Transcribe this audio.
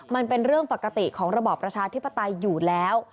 มันเป็นเรื่องปกติของระบอบประชาธิปไตยอยู่แล้ว